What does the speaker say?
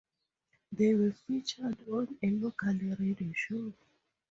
They were featured on a local radio show.